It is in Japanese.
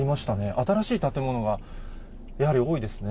新しい建物がやはり多いですね。